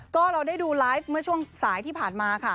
ก็เราได้ดูไลฟ์เมื่อช่วงสายที่ผ่านมาค่ะ